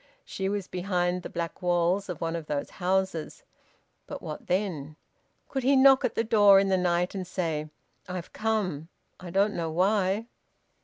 She was behind the black walls of one of those houses. But what then? Could he knock at the door in the night and say: "I've come. I don't know why?"